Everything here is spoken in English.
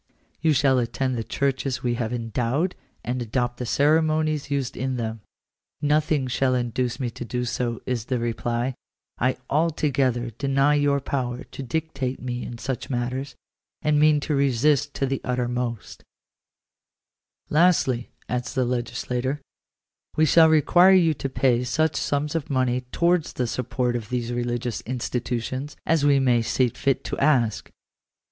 You shall attend the churches we have endowed, and adopt the ceremonies used in them." " Nothing shall induce me to do so," is the reply; " I altogether deny your power to dictate to me in such matters, and mean to resist to the uttermost." "Lastly," adds the legislator, "we shall require you to pay such sums of money towards the support of these religious institutions, as we may see fit to ask."